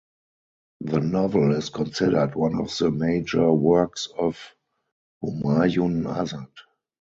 The novel is considered one of the major works of Humayun Azad.